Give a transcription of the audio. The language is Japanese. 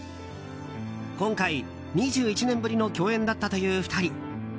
今回、２１年ぶりの共演だったという２人。